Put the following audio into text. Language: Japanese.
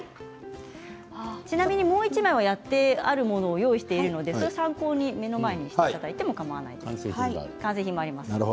ちなみにもう１枚はやってあるものを用意しているのでそれを参考にしていただいてもかまわないです。